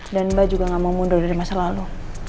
dan mba juga gak mau mundur dari masa lalu